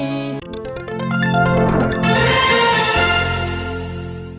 โปรดติดตามตอนต่อไป